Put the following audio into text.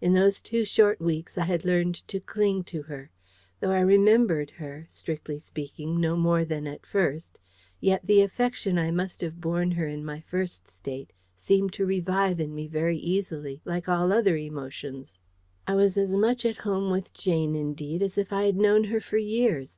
In those two short weeks I had learned to cling to her. Though I remembered her, strictly speaking, no more than at first, yet the affection I must have borne her in my First State seemed to revive in me very easily, like all other emotions. I was as much at home with Jane, indeed, as if I had known her for years.